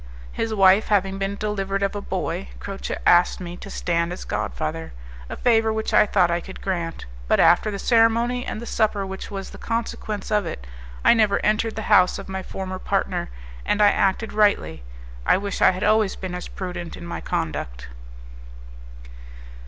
His wife having been delivered of a boy, Croce asked me to stand as god father, a favour which I thought I could grant; but after the ceremony and the supper which was the consequence of it, I never entered the house of my former partner, and I acted rightly. I wish I had always been as prudent in my conduct.